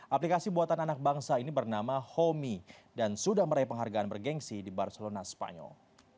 aplikasi buatan anak bangsa ini bernama homi dan sudah meraih penghargaan bergensi di barcelona spanyol